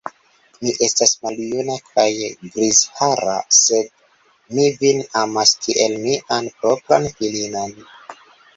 Mi estas maljuna kaj grizhara, sed mi vin amas kiel mian propran filinon.